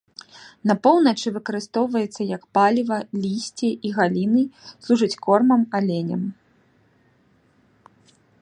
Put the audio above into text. На поўначы выкарыстоўваецца як паліва, лісце і галіны служаць кормам аленям.